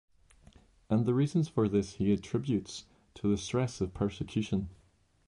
And the reason for this he attributes to the stress of persecution.